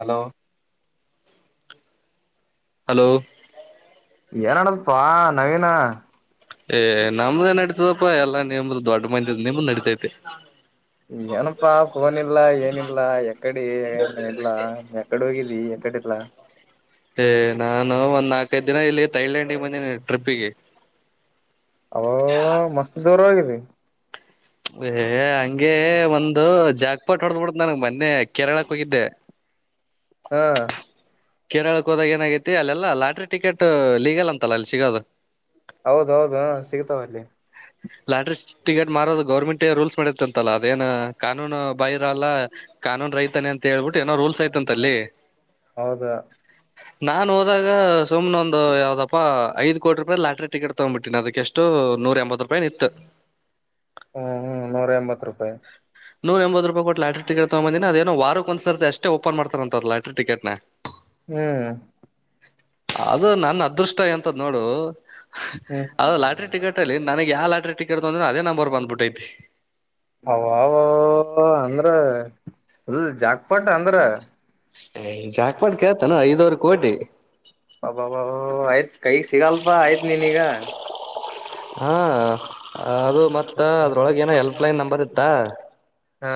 Hello hello ಏನ್ಡದಪ್ಪಾ ನವೀನ ಏ ನಮ್ದೇ ನಡತದಪ್ಪಾ ಎಲ್ಲಾ ನಿಮ್ದ ದೊಡ್ಡ ಮಂದದ ನಿಮ್ದ ನಡತೈತಿ ಏನಪ್ಪಾ ಫೋನ್ ಇಲ್ಲ ಏನಿಲ್ಲಾ ಎಕಡಿ ಏನ ಇಲ್ಲ ಎಕಡೆ ಹೋಗಿದ್ದಿ ಕಟ್ಟಲಾ [unintelligible] ಏ ನಾನು ಒಂದ್ ನಾಲ್ಕೈದ್ ದಿನ ಇಲ್ಲಿ ಥೈಲ್ಯಾಂಡಿಗೆ ಬಂದಿದೀನಿ ಟ್ರಿಪ್ಪಿಗೆ ಅ ಮಸ್ತ್ ದೂರ ಹೋಗಿದ್ದಿ ಏ ಹಂಗೆ ಒಂದು ಜಾಗಪಾಟ್ ಹೊಡದ್ ಬಿಿಡ್ದ ನನ್ಗೆ ಮೊನ್ನೆ ಕೇರಳಕ್ಕೆ ಹೋಗಿದ್ದೆ ಹಾ ಕೇರಳಕ್ಕೆ ಹೋದಾಗ ಏನಾಗೈತಿ ಅಲ್ಲೆಲ್ಲಾ ಲಾಟ್ರಿ ಟಿಕೆಟ್ ಲೀಗಲ್ ಅಂತಲ್ಲ ಅಲ್ಲಿ ಸಿಗೋದು ಹೌದೌದು ಸಿಗ್ತಾವ ಅಲ್ಲಿ ಲಾಟ್ರಿ ಟಿಕೆಟ್ ಮಾರೋದು ಗೌರ್ಮೆಂಟ್ ರೂಲ್ಸ್ ಮಾಡಿರ್ತಿ ಅಂತಲ್ಲ ಅದೇನ್ ಕಾನೂನು ಬೈರಲ್ಲ ಕಾನೂನ್ ರೈತಾನೇ ಅಂತ ಹೇಳ್ಬಿಟ್ಟು ಏನೋ ರೂಲ್ಸ್ ಐತಂತ ಅಲ್ಲಿ ಹೌದು ನಾನ್ ಹೋದಾಗ ಸುಮ್ನ ಒಂದು ಯಾವ್ದಪ್ಪ ಐ್ ಕೋಟಿ ರೂಪಾಯಿ ಲಾಟ್ರಿ ಟಿಕೆಟ್ ತಗೊಂಡ್ಬಿಟ್ಟಿನಿ ಅದಕ್ಕೆ ಎಷ್ಟು ನೂರ ಎಂಬತ್ ರೂಪಾಯಿ ನಿತ್ತು ಹ್ಮ್ ಹ್ಮ್ ನೂರ ಎಂಬತ್ ರೂಪಾಯಿ ನೂ ಎಂಬತ್ತು ರೂಪಾಯ ಕೊುಲ್ಯಟ ಟಿಕೆಟ್ಗ ಬಂದಿ ಅದೇಏ ವಕ್ ಒನ್ ಸಾರಿ ಅಷ್ಟೇ ಓಪನ್ ಮಾಡತಾರ ಅಂತ ಲಾಟರಿ ಟಿಕೆಟ್ ಹ್ಮ್ ಅದು ನನ್ ಅದೃಷ್ಟ ಎಂತ್ ನೋಡು ಹ್ಮ್ ಅದು ಲಾಟ್ರಿ ಟಿಕೆಟ್ ಅಲ್ಲಿ ನನಗ್ ಯಾವ ಲಾಟಿ ಟಿರ್ದ ಅಂದ್ರೆ ಅದೇ ನಂಬರ್ ಬಂದ್ಬಿಟ್ಟೈತಿ ಅವವ ಅಂದ್ರ ಜಾಾಗಪಟ್ ಅಂದ್ರ ಜಾಕ್ಪಾಡ್ ಕೇಳ್ತಾನ ಐದ್ುವರ್ ಕೋಟಿ ಬಬ ಆಯ್ತ್ ಕೈಗ್ ಸಿಗಲ್ಪಾ ಆಯ್ತ್ ನೀನೀಗ ಹಾ ಅದು ಮತ್ತ ಹ್ಮ್ ಅದ್ರೊಳಗೆ ಏನೋ ಹೆಲ್ಪ್ಲೈನ್ ನಂಬರ್ ಇತ್ತ ಹಾ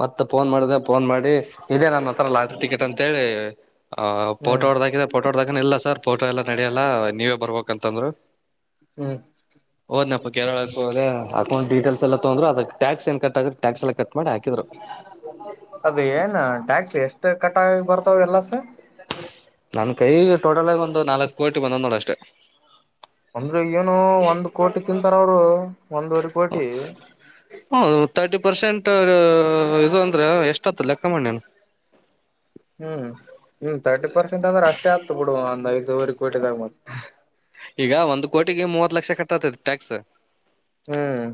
ಮತ್ತ ಫೋನ್ ಮಾಡ್ದ ಫೋನ್ ಮಾಡಿ ಇದೆ ನನ್ನ ಹತ್ರ ಲಾತ್ರಿ ಟಿಕೆಟ್ ಅಂತಿ್ಫೋಟೋ ಹ್ಮ್ ಹೊಡದ ಹಾಕಿದೆ ಫೋಟೋ ದಾಗನ [unintelligible] ಇಲ್ಲ ಸರ್ ಫೋಟೋ ಎಲ್ಲ ನಡಿಯಲ್ಲ ನೀವೇ ಬರ್ಬಕ್ ಅಂತಂದ್ರು ಹ್ಮ್ ಹೋದ್ನಪ್ಪಾ ಕೇರಳ ಹೋದೆ ಅಕೌಂಟ್ ಡಟೇಲ್ಸ್ ಎಲ್ಲ ತೊ್ರರು ಅದ ಟ್ಯಾಕ್ಸ್ ಏನ್ ಕಟ್್ರ ಟ್ಯಾಕ್ಸ್ ಎಲ್ಲ ಕಟ್ ಮಾಡಿ ಹಾಕ್ರು ಅದ ಏನ್ ಟ್ಯಾಕ್ಸ್ ಎಷ್ಟ ಕಟ್ ಆಗ ಬರ್ತಾವ ಎಲ್ಲ ಸ ನನ್ ಕೈ ಟೋಟಲ್ ಆಗ ಒಂದು ನಾಲ್ಕು ಕೋಟಿ ಬಂದಂದ ನೋಡ ಅಷ್ಟೇ ಅಂದ್ರರು ಏನು ಒಂದ್ ಕೋಟಿ ತಿಂತಾರ ಅವರು ಒಂದವರೆ ಕೋಟಿ ಹ್ಮ ತರ್ಟಿ ಪರ್ಸೆಂಟ್ ಇದು ಅಂದ್ರೆ ಎಷ್ಟತ್ತು ಲೆಕ್ಕ ಮಣಿನು ಹ್ಮ್ ಹ್ಮ್ ತರ್ಟಿ ಪರ್ಸೆಂಟ್ ಅಂದ್ರೆ ಅಷ್ಟೇ ಆಗ್ತ ಬಿಡುುವ ಒಂದ್ ಐದುವರೆ ಕೋಟಿದಾಗ ಮ ಈಗ ಒಂದು್ ಕೋಟಿಗೆ ಮೂವತ್ ಲಕ್ಷ ಕಟ್ಟತತಿ ಟ್ಯಾಕ್ಸ್ ಹ್ಮ್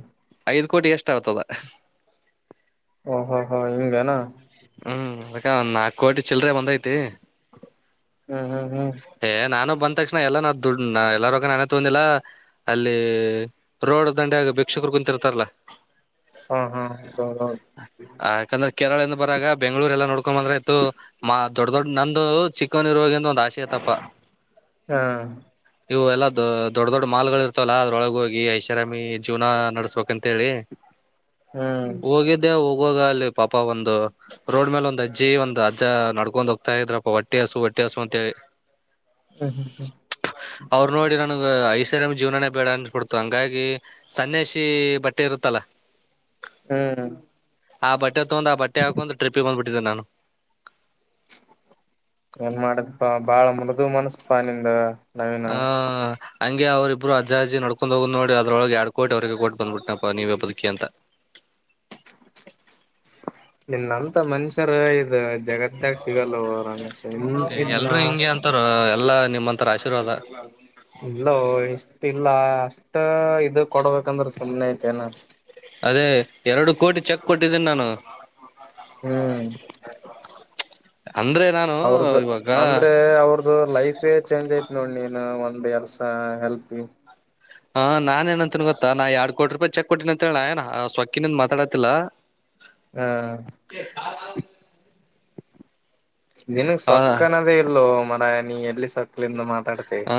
ಇದು್ ಕೋಟಿ ಎಷ್ಟ ಆಗ್ತದ ಓ ಹೋ ಹಾ ಹಿಂಗನಾ ಹ್ಮ್ ಅದಕ್ಕಂದ ನಾಲ್ಕು ಕೋಟಿ ಚಿಲ್ದ್ರೆ ಬಂದೈತಿ ಹ್ಮ್ ಹ್ಮ್ ಹ್ಮ್ ಹ ನಾನು ಬಂತ ತಕ್ಷಣ ಎಲ್ಲ ನ ದುಡ್ ಎಲ್ಲರೋಗ ನನ ತೊಂದಿಲ್ಲ ಅಲ್ಲಿ ರೋಡ್ ದಂಡೆ ಆಗ ಭಿಕ್ಷಕರು ಕುಂತಿರ್ತಾರಲ್ಲ ಹಾ ಹಾ ಹೌದೌದೌದ. ಕೆರಳಿಂದ್ ಬರಾಗ ಬೆಂಗ್ಳೂರೆಲ್ಲಾ ನೋಡ್ಕೊಬಂದ್ರ ಆಯ್ತು ಮಾ ದೊಡ್ ದೊಡ್ ನಂದು ಚಿಕ್ಕವನಿರುವಾಗಿಂದ ಒಂದ್ ಆಸೆ. ಎತಪ್ಪಾ. ಹ್ಯ. ಇವು ಎಲ್ಲಾ ದ ದೊಡ್ಡ ದೊಡ್ ಮಾಲ್ಗಳು ಇರ್ತವಲ್ಲ ಅದ್ರೊಳಗ ಹೋಗಿ ಐಷಾರಾಮಿ ಜೀವ್ನಾ ನಡಸ್ಬೇಕಂತ್. ತೇಳಿ ಹ್ಮ್ ಹೋಗಿದ್ದೆಹೊ. ಹೋಗಾ ಅಲ್ಲಿ ಪಾಪಾ ಒಂದ ರೋಡ್ ಮೇಲೆ ಒಂದ ಅಜ್ಜಿ ಒಂದ ಅಜ್ಜಾ ನಡ್ಕೊಂಡ್ ಹೋಗ್ತಾ ಇದ್ರಪ್ಪಾ ಒಟ್ಟಿ ಹಸು ಒಟ್ಟಿ. ಟ್ಟಿ ಹಸು ಅಂತೇಳಿ. ಹ್ಮ್ ಹ್ಮ್ ಹ್ಮ್ ಅವ್ರನೋಡಿ ನನಗ ಐಸ್. ಐಷಾರಾಮಿ ಜೀವ್ನಾನೇ ಬೇಡಾ ಅನಿಸ್ಬಿಡ್ತು ಹಂಗಾಗಿ ಸನ್ಯಾಸಿ ಬಟ್ಟೆ ಇರುತ್ತಲ್ಲಾ. ಹ್ಮ್. ಆ ಬಟ್ಟೆ ತೊಂದ್ ಆ ಬಟ್ಟೆ ಹಾಕೊಂಡ್ ಟ್ರಿಪ್ಪಿಗೆ ಬಂದ್ಬಿಟ್ಟಿದ್ದೆ ನಾನು. ಏನ್ ಮಾಡ್ದಪಾ ಬಾಳ ಮೃದು ಮನಸ್ಪಾ ನಿಂದ. ನವೀನ ಅಅ. ಹಂಗೆ ಅವ್ರರಿಬ್ರು ಅಜ್ಜಾಜ್ಜಿ ನಡ್ಕೊಂದೊಗೋದ್ ನೋಡಿ ಅದ್ರೊಳಗ ಯಾಡ್ ಕೋಟಿ ಅವ್ರೀಗೆ ಕೊಟ್ ಬಂದ್ಬಿಟ್ಟನಪಾ ನೀವೆ ಬದುಕಿ ಅಂತಾ. ನಿನ್ನಂತ ಮನಷ್ಯರ್ ಇದ್. ಜಗತ್ಯಾಗ್ ಸಿಗಲ್ಲೊ ರಮೇಶ ಇನ್ ಇಲ್ಲಾ. ನಿಮ್ಮಂತರ್ ಆಶೀರ್ವಾದಾ. ಇಲ್ಲೋ ಇಷ್ಟಿಲ್ಲಾ ಅಷ್ಟ ಇದ ಕೊಡ್ಬೇಕಂದ್ರ ಸುಮ್ನೆ ಐತೆನ್. ಅದೇ ಎರಡು ಕೋಟಿ ಚೆಕ್ ಕೊಟ್ಟಿದ್ದೀನಿ ನಾನು. ಹ್ಮ್. ಅಂದ್ರೆ ನಾನು ಅವ್ರದ ಇವಾಗ ಅಂದ್ರ ಅವ್ರ್ದ ಲೈಫೇ ಚೇಂಜ್ ಐತ್ ನೋಡ್ ನೀನ್ ಒ. ಎರ್ಸ ಹೆಲ್ಪಿ ಗಿಲ್ಪ್. ಹಾ ನಾನೇನ್ ಏನಂತಿನ್ ಗೊತ್ತಾ ನಾ ಯಾಡ್ ಕೋಟಿ ರೂಪಾಯಿ ಚೆಕ್ ಕೊಟ್ಟೀನಿ ಅಂತೇಳಿ ಸೊಕ್ಕಿನಿಂದ ಮಾತಾಡತಿಲ್ಲಾ. ಹ. ನಿನಗ್ ಸೊಕ್ಕ ಹ ಅನ್ನದೇ ಇಲ್ಲೋ ಮಾರಾಯ ನೀ ಎಲ್ಲಿ ಸಕ್ಲಿಂದ ಮತ್. ಹಾ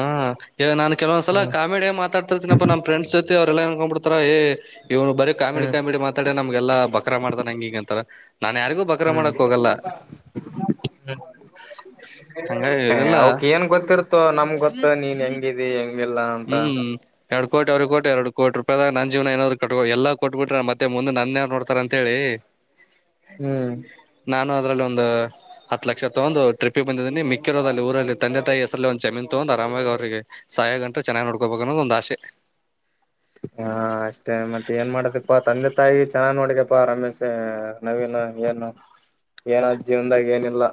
ಈಗ ನಾನ್ ಕೆಲವೊಂದ್ಸಲಾ ಕಾಮಿಡಿಯಾಗ ಮಾತಾಡ್ತಿರ್ತೀನಪ್ಪಾ ನಮ್ಮ ಫ್ರೆಂಡ್ಸ್ ಜೋತ್. ತಿ ಅವ್ರೇಲ್ಲಾ ಏನ್ಕೊಂಬಿಡ್ತಾರ. ಇವ್ನು ಬರೀ ಕಾಮಿಡಿ ಹ್ಮ್ ಕಾಮಿಡಿ ಮಾತಾಡೇ ನಮ್ಗೆಲ್ಲಾ ಬಕ್ರಾ ಮಾಡ್ತಾನೆ ಹಂಗಿಂಗ ಅಂತಾರ. ನಾನ್ ಯಾರಿಗೂ ಬಕ್ರ ಹ್ಮ್ ಮಾಡಕ್ ಹೋಗಲ್ಲ ಹ್ಮ. ಹಂಗಾಗಿ ಹೇ ಎಲ್ಲ ಅವಕ್ ಏನ್ ಗೊತ್ತಿರ್ತೋ ನಮ್ಗೊತ್. ನೀನ್ ಹೆಂಗಿದಿ ಹೆಂಗಿಲ್ಲಾ ಅಂತಾ. ಏರ್ಡ ಕೋಟಿ ಅವರೀಗ ಕೊಟ್ಟ ಏರ್ಡ ಕೋಟಿ ರೂಪಾಯದಾಗ್ ನನ್ ಜೀವ್ನಾ ಏನಾದ್ರು ಕಟ್ಟಕ ಎಲ್ಲಾ ಕೊಟ್ಟಬಿಟ್ರ ಮತ್ತೆ ಮುಂದೆ ನನ್ಯಾರ್ ನೋಡ್ತಾರ ಅಂತೆಳಿ. ಹ್ಮ್. ಇನ್ನ ಅದ್ರಲ್ಲಿ ಒಂದ್ ಹತ್ ಲಕ್ಷಾ ತೊಂದು ಟ್ರಿಪ್ಪಿಗ್ ಬಂದಿದಿನಿ ಮಿಕ್ಕಿರೋದ್ ಅಲ್ಲಿ ಊರಲ್ಲಿ ತಂದೆ ತಾಯಿ ಹೆಸರಲ್ಲಿ ಒಂದ್ ಜಮೀನ್ ತೊಗೊಂದ್. ಮುಂದ್ ಆರಾಮಾಗಿ ಅವ್ರಿಗೆ ಸಾಯ ಗಂಟಾ ಚನ್ನಾಗ್ ನೋಡ್ಕೋಬೇಕ ಅನ್ನುದ ಒಂದ್ ಆಸೆ. ಹಾ ಅಷ್ಟೇ ಮತ್ತೆ ಏನ್ ಮಾಡತಿಪ್ಪಾ ತಂದೆ ತಾಯಿ ಚೆನ್ನಾಗ್ ನೋಡಿಕಪ್ಪಾ ರಮೇಶ್ ನವಿನ್. ಏನು ಏನ್ ಜೀವ್ನದಾಗ್ ಏನಿಲ್ಲ.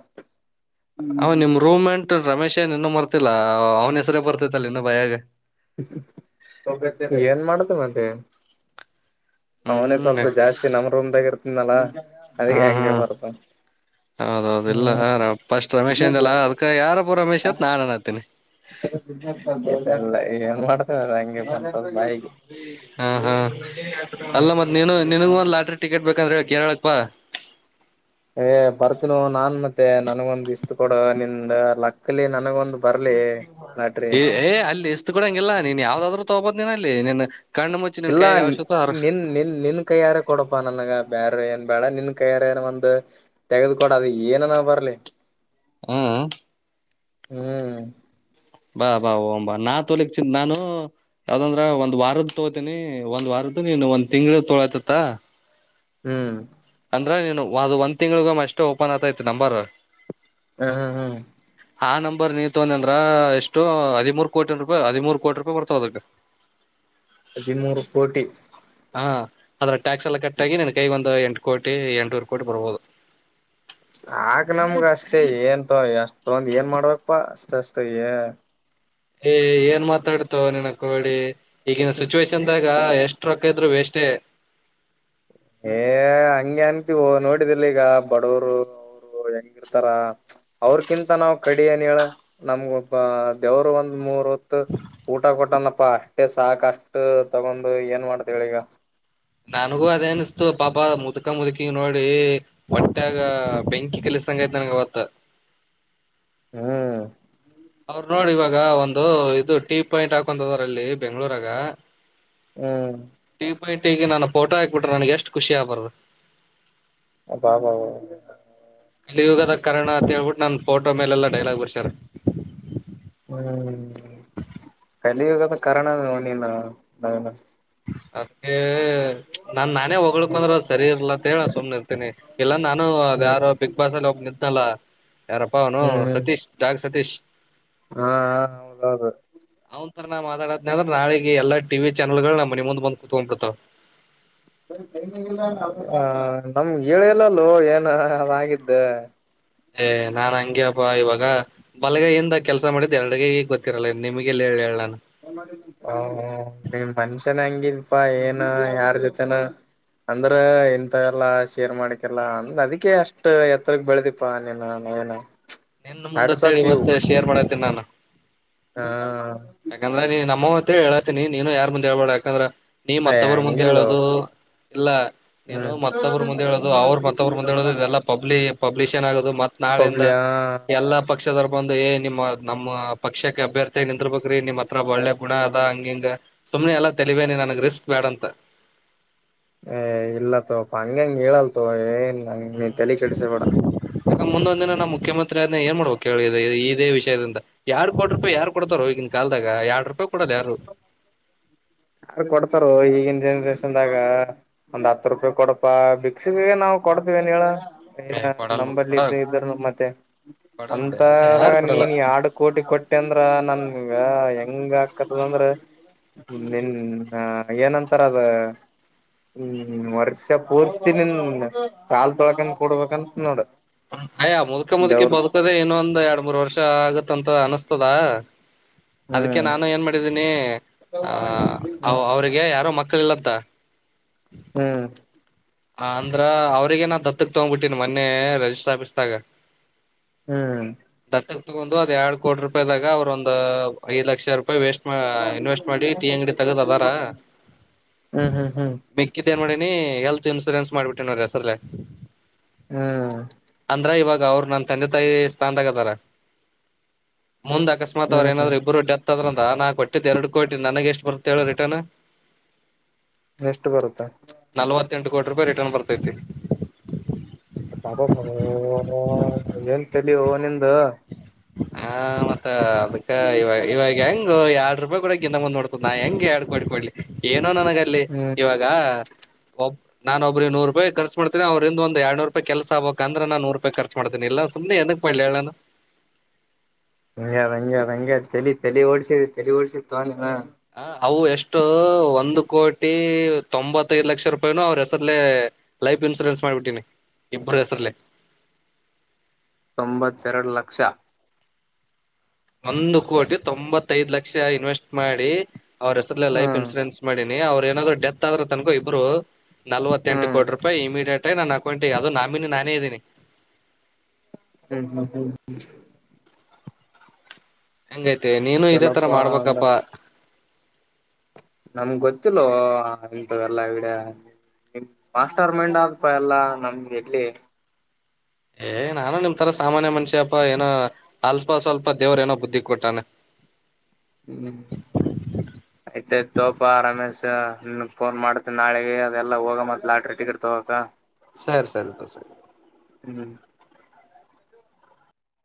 ಅವ್ ನಿಮ್ ರೂಮೆಂಟ್ ರಮೇಶ ಏನ್ ಇನ್ನ ಮರ್ತಿಲ್ಲಾ ಅವ್ನ ಹೆಸರೇ ಬರ್ತೆತಲ್ಲ ಇನ್ನ ಬಾ. ಏನ್ ಮಾಡ್ತೀ ಮತ್ತೆ. ಅವನೇ ಹ್ಮ್ ಸ್ವಲ್ಪಾ ಜಾಸ್ತಿ ನಮ್ ರೂಮ್ದಾಗ ಇರ್ತಿದ್ನಲ್ಲಾ ಅದಕೆ ಹಾ ಹಾ ಹಂಗೆ ಬರ್ತದ. ಹೌದೌದು ಇಲ್ಲಾ ಫಸ್ಟ್ ರಮೇಶಾ ಅಂದೆಲ್ಲಾ ಅದಕ ಯಾರಪ ರಮೇಶ್ ಅತ್ ನಾನನ್ನಾತಿನ. ಇಲ್ಲಾ ಏನ್ ಮಾಡ್ತ್. ಹ ಹ ಹ್ಮ್ ಅಲ್ಲಾ ಮತ್ ನೀನು ನಿನಗು ಒಂದ್ ಲಾಟ್ರಿ. ಟಿಕೆಟ್ ಬೇಕಂದ್ರ ಹೇಳ್ ಕೇರಳಕ್ಬಾ. ಏ ಬರ್ತೀನೋ ನಾನ್ ಮತ್ತೆ ನನಗೊಂದ್ ಇಸ್ದ ಕೊಡೋ ನಿಂದ್ ಲಕ್ಕಲಿ ನನಗೊಂದ್. ಬರ್ಲಿ ಲಾಟ್ರಿ ಏ ಏ ಅಲ್ಲಿ ಇಸ್ದ ಕೊಡಂಗಿಲ್ಲಾ ನೀನ್ ಯಾವ್ದಾದ್ರು ತೋಬೋದ್ ನೀನ್ ಅಲ್ಲಿ ನೀನ್. ಇಲ್ಲಾ ನಿನ್ ನಿನ್ ನಿನ್ ಕೈಯಾರ ಕೊಡೋಪಾ ನನಗ ಬ್ಯಾರೆ ಏನ್. ಬ್ಯಾಡಾ ನಿನ್ ಕೈಯಾರೇನ ಒಂದ್ ತೆಗದ ಕೊಡ ಅದ ಏನನ ಬರ್ಲಿ. ಹ್ಮ್. ಹ್ಮ್ ಬಾ ಬಾ ಓ ಬಾ ನಾ ತೋಲಿಕ್ ಚನ್ ನಾನು ಯಾವ್ದಂದ್ರ ಒಂದ್ ವಾರದ್ದ ತಗೋತೀನಿ ಒಂದ್ ವಾರದು ನೀನು ಒಂದ್ ತಿಂಗಳ ತೊಳತತ್ತ ಹ್ಮ್ ಅಂದ್ರ ನೀನು ಅ ಒಂದ ತಿಂಗಳಗ ಅಷ್ಟೇ ಓಪನ್ ಆತೈತಿ ನಂಬರ್ ಹ್ಮ ಹ್ಮ್ ಹ್ಮ್ ಆ ನಂಬರ್ ನೀವ್ ತೊಂದಿ ಅಂದ್ರ ಎಷ್ಟು ಹದಿಮೂರು ಕೋಟಿ ರೂಪಾಯಿ ಹದಿಮೂರು ಕೋಟಿ ರೂಪಾಯಿ ಬರ್ತಾವ ಅದಕ್ಕೆ ಹದಿಮೂರು ಕೋಟಿ ಹಾ ಅದ್ರ ಟ್ಯಾಕ್ಸ್ ಎಲ್ಲ ಕಟ್ಟಾಗಿ ನನ್ ಕೈಗ ಒಂದು ಎಂಟು ಕೋಟಿ ಎಂಟನೂರು ಕೋಟಿ ಬರ್ಬೋದು ಆಗ ನಮ್ಗ ಅಷ್ಟೇ ಏನ್ಂತ ಅಷ್ಟ ಒಂದು ಏನ್ ಮಾಡ್ಬೇಕಪ್ಪಾ ಅಷ್ಟಷ್ಟ ಏ ಏ್ ಏನ್ ಮಾತಾಡ್ತೋ ನನ ಕಿ ಈಗಿನ ಸಿಚುವೇೇಶನ್ದಾಗ ಎಷ್ಟ ರೊಕ್ಕ ಹಿದ್ರರು ವೇಸ್ೇ ಏ ಹಂಗೆ ಅನ್ಂತವು ನೋಡಿದಲ್ಲಿ ಈಗ ಬಡವರುರು ಹೆಂಗಿರ್ತಾರ ಅವ್ರಕಿಂತ ನಾವ್ ಕಡಿ ಅನ್ ಹೇಳ ನಮ್ಗ ಒಬ್ಬ ದೇವರು ಒಂದ್ ಮೂರ್ ಇ ಊಟ ಕೊಟ್ಟನಪ್ಪಾ ಅಷ್ಟೇ ಸಾಕಷ್ಟು ತಗೊಂಡು ಏನ್ ಮಾಡ್ತೇಳ ಈಗ ನನಗೂ ಅದ ಅನಿಸ್ತು ಬಾಬಾ ಮುದುಕ ಮು್ಕಿ ನೋಡಿ ಒಟ್ಟಾಗ ಬೆಂಕಿ ಕೆಲ್ಸ ತನಗೆ ಬತ್ತ ಹ್ಮ್ ಅವ್ರ ನೋಡಿ ಇವಾಗ ಒಂದು ಇದು ಟೀ ಪಾಯಿಂಟ್ ಹಾಕಂತದ್ರಲ್ಲಿ ಬೆಂಗ್ಳೂರಾಗ ಹ್ಮ್ ಟ ಈಗ ನಾನು ಫೋಟೋ ಹಾಕ್ಬಿಟ್ರೆ ನನ್ಗೆ ಎಷ್ಟು ಖುಷಿ ಆಗ್ಬಾರ್ದು ಬಾಾ ಕಲ ಯುಗದ ಕಾರಣ ಅಂತ ಹೇಳ್ಬಿಟ್ಟು ನನ್ ಫೋಟೋ ಮೇಲೆಲ್ಲಾ ಡೈಲಾಗ್ ಬರ್ಸ್ಯಾರ ಹ್ಮ್ ಇಲ್ಲಿ ಇ ಕಾರಣ ನೀ ಅದೆ ನಾನ್ ನಾನೇ ಹೊೋಗಳ್ಕಂದ್ರೆ್ ಸರಿ ಇರ್ಲ್ಲ ಅಂತ ಹೇಳ ಸುಮ್ನೆ ಇರ್ತನಿ ಇಲ್ಲಾ ನಾನು ಅದ ಹ್ಮ್ ಯಾರೋ ಬಿಗ್ ಬಾಸ್ ಅಲ್ಲಿ ನಿ್ದಲ್ಲ ಯಾರಪ್ಪ ಅವನು ಹ್ಮ್ ಸತೀಶ್ ಡಾಗ ಸತೀಶ್ ಹಾ ಹ ಹೋಗ ನಂಥರ ನಾ ಮಾತಾಡ್ನ ಅ್ರೆ ನಾಳಿಗೆ ಎಲ್ಲಾ ಟಿ ಚಾನಲ್ ಗಳು ನ ಮನ ಮುಂದ ಬಂದ್ ಕುೂತ್ಕೊಂಡ್ ಬಿಿಡ್ತಾವ ಹ ನಮ್ ಗಳಲ್ಲಲ್ಲು ಏನ ಅದಾಗಿದ್ದೆ ಏ್ ನಾನ್ ಹಂಂಗಗೆಬ ಇವಾಗ ಬಲಗೈಯಿಂದ ಕೆಲ್ಸ ಮಾಡಿದ್ದ್ ಎರಡುಗ ಗೊತ್ತಿರಲ್ಲ ನಿಮಗೆಲ್ಲಿ ಹೇಳ ಹೇಳಳ್ಾನು ಹ ನಿಮ ಮನ್ಷ್ಯನ ಹಂಗಿದಪಾ ಏನ ಯಾರ್ ಜೊತೆನ ಅಂದ್ರ ಇಂತ ಎಲ್ಲ ಶೇರ್ ಮಾಡಕಲ್ಲ ಅಂದ್ರ ಅದಕ್ಕೆ ಅಷ್ಟ್ ಎತ್ತರಗ್ ಬೆಳದಿಪಾ ನೀನ್ ಹನ ನಿನ್ನ ಮುಂದಂತ ಹೇಳಿ ಇತ್ತ ಶೇರ್ ಮಾಡತೇನಿ ನಾನು ಹಾ ಯಾಕಂದ್ರ ನೀ ನಮ್ಮ ಹೊತ್ತ ಹೇಳಾತೀನಿ ನೀನು ಯಾರ್ ಮುಂದೆೇಳ್ಬಾ ಯಾಕಂದ್ರ ನೀ ಏ ಮತ್ತಬ್ರ ಮುಂದೆ ಹಂಗಿಲ್ಲೋ ಹೇಳೋುದು ಇಲ್ಲ ನೀನು ಹ್ಮ್ ಮತ್ತೊಬ್ಬರು ಮುಂದೆ ಹೇಳೋುದು ಅವರು ಮತ್ತೊಬ್ರು ಮುಂದ್ ಹೇಳ ಇದೆಲ್ಲ ಪಬ್ಲಿ ಪಬ್ಲಿಷನ್ ಆಗದು ಮತ್ ನಾಳೆಯಿಂದ ಪಬ್ಲಿ ಎಲ್ಲಾ ಪಕ್ಷದರು ಬಂದು ಏ ನಿಮ್ಮ ನಮ್ಮ್ ಪಕ್ಷಕ್ಕೆ ಅಭ್ಯರ್ಥಿ ನಿಂದರ್ಬೇಕಕ್್ರೀ ನಿಮ್ ಹತ್ರ ಒಳ್ಳೆ ಗುಣ ಅದ ಹಂಗಿಂಗ ಸುಮನೆ ಎಲ್ಲಾ ತಲವೇನ ನನಗ್ ರಿಸ್ಕ್ ಬೇಡಂತ ಏನು ಇಲ್ಲ ತಗೋಳಪ್ಪ ಹಂಗೇನ್ ಹೇಳೋದಿಲ್ಲ ತಗೋ ಆ ನಂದಿನ ಮುಖ್ಯಮಂತ್ರಿ ಏನ್ ಮಾಡಬೇಕು ಇದೇ ವಿಷಯದಿಂದ ಎರಡ್ ಕೋಟ ರೂಪಾಯಿ ಯಾರು ಕೊಡ್ತಾರೋ ಕೋಟಿ ರೂಪಾಯಿ ಯಾರ್ ಕೊಡ್ತಾರೋ ಇಂಗ್ಕಾಲದಾಗ ಎರಡು ರೂಪಾಯಿ ಕೊಡಲ್ಲ ಹ ಯಾರು ಕೊಡ್ತಾರ ಈಗಿನ ಜನ್ರೇಷನ್ದಾಗ ಒಂದ್ ಹತ್ತು ರೂಪಾಯಿ ಕೊಡಪಾ ಬಿಕ್ಸ ಬ ನಾವ್ ಕೊಡ್ತವನ್ ಹೇಳ ನ ಏ ಕೊಡಲ್ ನಂಬಲ್ಲಿ ಕೊಡ ಇದ ಇದರು ಮತ್ತೆ ಕೊಡಲ್ ಬಿಡ ಅಂತರ ಯಾರು ಕೊಡಲ್ಲ ನೀನ್ ಆಡು ಕೋಟಿ ಕೊಟ್ಟ ಬಟ್ಟೆ ಅಂದ್ರ ನನ್ಗ ಹೆಂಗ ಆಕತದಂದ್ರ ನಿನ್ ಹ ಏನಂತಾರ ಅದ ಹ್ಮ್ ವರ್ಷ ಪೂರ್ತಿ ನಿನ್ ಕಾಲ್ ಭಾಗ ಕೊಡಬೇಕಂತ ನೋಡು ಅಯ್ಯ ಮುದುಕ ಮುದುಕಿ ಬದುಕದೇ ಇನ್ನೊಂದ್ ಎರಡ್ ಮೂರ್ ವರ್ಷ ಆಗುತ್ತ ಅಂತ ಅನುಷ್ಕಾ ಅದಕ್ಕೆ ಹ್ಮ್ ನಾನೇನ್ ಮಾಡಿದೀನಿ ಅವರಿಗೆ ಯಾರೆ ಮಕ್ಕಳು ಇಲ್ಲಂತ ಹ್ಮ್ ಹ ಅಂದ್ರ ಅವ್ರಗ ನ ದತ್ತಕ್ ತಗ್ಬಿಟ್ಟನ್ ಮೊನ್ನೆ ರರಿಜಿಸ್ಟ್ರ ಆಫೀಸ್ದಾಗ ಹ್ಮ್ ಒಂದು ಎರಡು ಕೋಟಿ ರೂಪಾಯಿ ದಾಗ ಅವರೊಂದು ಐದು ಲಕ್ಷ ವೇಸ್ಟ್ ಇನ್ವೆಸ್ಟ್ ಮಾಡಿ ಟೀ ಅಂಗಡಿ ತೆಗೆದಾದರೆ ಹ್ಮ್ ಹ್ಮ್ ಹ್ಮ್ ಹೇಳ್ತೀನಿ ಚಿಲ್ಡ್ರನ್ಸ್ ಮಾಡ್ಬಿಟ್ಟೆನವರ ಹೆಸರಿಗೆ ಹ್ಮ್ ಅವ್ರ ನನ್ ತಂದೆ ತಾಯಿ ಸ್ಥಾನದಾಗತಾರ ಮುಂದ ಅಕಸ್ಮಾತ್ ಅವರು ಹ್ಮ್ ಏನ್ರರು ಇಬ್ರು ಡೆತ್ ಆದದ್ರ ನಾ ಕೊಟ್ಟಿದ್ದ ಎರಡು ಕೋಟಿ ನನಗೆ ಎಷ್ಟು ಬರುತ್ತೇಳ ರಿಟರ್ನ್ ಎಷ್ಟು ಬರುತ್ತೆ ಎಂಟು ಕೋಟಿ ರೂಪಾಯಿ ರಿಟರ್ನ್ ಬರ್ತೈತಿ ಪಾಪ ಏನ್ ತೇಲಿ ಅವನಂದ ಹಾ ಮತ್ತ ಅದಕ್ಕ ಇವ ಇವಾಗ ಹೆಂಗ ಎರಡ್ ರೂಪಾಯಿ ಕೊಡ ನ ಮುಂದ ನೋಡ್ತ ನಾ ಹೆಂಗೆ ಆಡ್ಕೊಂಡ್ಕಡ್ಲಿ ಏನೋ ನಗಲ್ಲಿ ಹ್ಮ್ ಇವಾಗ ಒಬ್ ನಾನ ಒಬ್ಬ ನೂ ರಪಾಯಿ ಖರ್ಚು ಮಾಡ್ತೀಿ ಅವ್ರಂದ ಒಂದ ಎಡ್ನೂರುೂಪಾಯಿ ಕೆಸಗ್ಬೇಕಂದ್ರೆ ನೂ ರೂಪಾಯ ಖರ್ಚು ಮಾಡತೀನ ಇಲ್ಲ ಸುಮ್ನೆ ಎಡಕ್ ಮಾಡ್ಲಿ ಹೇಳ್ ಹಂಗ ಹಂಗ್ಯ ಹಂಗ ತಲಿ ತಲಿ ಓಡ್ಸಿದ ತಲಿ ಓಡ್ಸಿದ ತ ಹ ಅವು ಎಷ್ಟು ಒಂದು ಕೋಟಿ ತೊಂಬತ್ತೈದು ಲಕ್ಷ ರೂಪಾಯೂ ಅವ್ರ ಹೆಸಲ್ಲೇ ಲೈಫ್ ಇನ್ಶೂರೆನ್ಸ್ ಮಾಡ್ಬಿಟ್ಟೀನಿ ಇಬ್ಬರ ಹೆಸರಲ್ಲಿ ತೊಂಬತ್ತೆರಡು ಲಕ್ಷ ಒಂದು ಕೋಟಿ ತೊಂಬತ್ತದ್ ಲಕ್ಷ ಇನ್ವೆಸ್ಟ್ ಮಾಡಿ ಅವ್ರ ಹೆಸ್ರಲ್ಲ ಲೈಫ್ ಹ್ಮ್ ಇನ್ಸೂರೆನ್ಸ್ ಮಾಡಿ ಅವ್ರು ಏನಾದ್ರು ಡೆತ್ ಆದ್ರೂ ತನಕೂ ಇಬ್ಬರು ನಲ್ವತ್ ಎಂಟ ಹ್ಮ್ ಕೋಿ ರೂಪಾಯಿ ಇಮಿಡಿಯೇಟ್ ಅೇ ನಾನು ಅಕಂಟ ಈ ಅದು ನಾಮಿನಿ ನಾನೇ ಇದ್ದೀನಿ ಹ್ಮ್ ಹ್ಮ್ ಹ್ಮ್ ಹ್ಮ ಹೆಂಗೈತೆ ನೀನು ಇದೇ ತರ ಚಲೋಪಾ ಅಂದ್ರ ಮಾಡ್ಬೇಕಪ್ಪಾ ನಮ್ಗ್ ಗೊತ್ತಿಲ್ಲ ಇಂಥದಲ್ಲ ಐಡೇ ನಿಮ ಮಾಸ್ಟರ್ ಮೈಂಡ್ ಆಗ್ತ ಎಲ್ಲಾ ನಮ್ಗೆ ಎಲ್ಲಿ ಏ್ ನಾನು ನಿಮ್ ತರ ಸಾಮಾನ್ಯ ಮನುಷ್ಯಪ್ಪಾ ಏನೋ ಅಲ್ಪ ಸ್ವಲ್ಪ ದೇವ್ರ ಏನೋ ಬುದ್ಧಿ ಕೊಟ್ಟಾನೆ [inaudible] ನಿ ಫೋನ್ ಮಾಡತ್ತ ನಾಳೆಗೆ ಅದೆಲ್ಲಾ ಹೋಗ ಮತ್ತತ್ ಲಾಟ್ರಿ ಟಿಕೆಟ್ ತಗಕ ಸರಿ ಸರಿ ಸರಿ ಹ್ಮ್